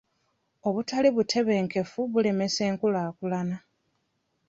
Obutali butebenkevu bulemesa enkulaakulana.